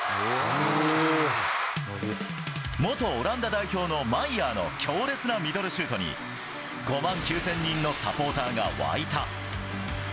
元オランダ代表のマイヤーの強烈なミドルシュートに、５万９０００人のサポーターが沸いた。